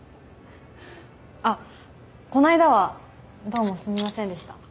あっこないだはどうもすみませんでした